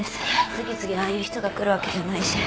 次々ああいう人が来るわけじゃないし。